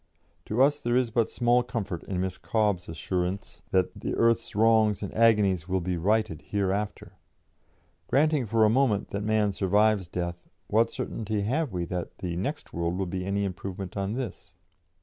"To us there is but small comfort in Miss Cobbe's assurance that 'earth's wrongs and agonies' 'will be righted hereafter.' Granting for a moment that man survives death what certainty have we that 'the next world' will be any improvement on this?